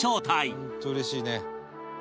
「本当うれしいね」